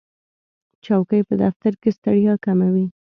چوکۍ په دفتر کې ستړیا کموي.